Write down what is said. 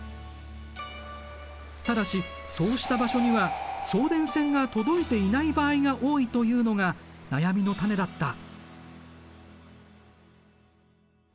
ただしそうした場所には送電線が届いていない場合が多いというのが悩みの種だった。